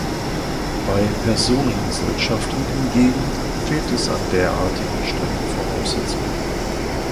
Bei Personengesellschaften hingegen fehlt es an derartigen strengen Voraussetzungen.